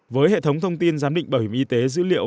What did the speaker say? với hệ thống thông tin giám định bảo hiểm y tế dữ liệu